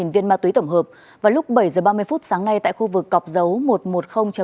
ba mươi hai viên ma túy tổng hợp và lúc bảy h ba mươi sáng nay tại khu vực cọc dấu một trăm một mươi năm